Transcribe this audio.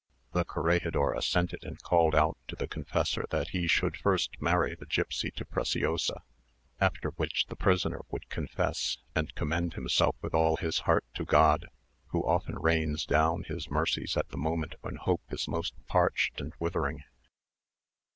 The corregidor assented, and called out to the confessor that he should first marry the gipsy to Preciosa, after which the prisoner would confess, and commend himself with all his heart to God, who often rains down his mercies at the moment when hope is most parched and withering.